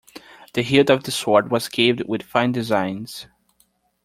The hilt of the sword was carved with fine designs.